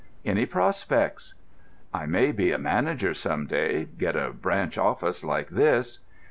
"Any prospects?" "I may be a manager some day—get a branch office like this."